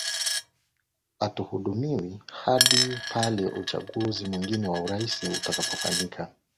Atahudumu hadi pale uchaguzi mwingine wa urais utakapofanyika